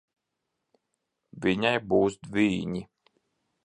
Viņai būs dvīņi.